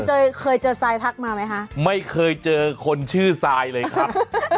เคยเคยเจอทรายทักมาไหมคะไม่เคยเจอคนชื่อทรายเลยครับ